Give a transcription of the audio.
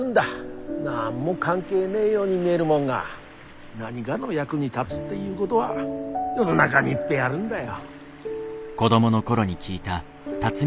何も関係ねえように見えるもんが何がの役に立つっていうごどは世の中にいっぺえあるんだよ。